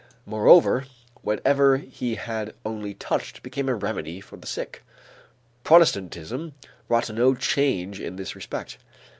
Moreover whatever he had only touched became a remedy for the sick. Protestantism brought no change in this respect.